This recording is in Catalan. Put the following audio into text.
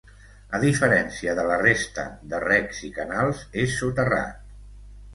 A diferència de la resta de recs i canals és soterrat.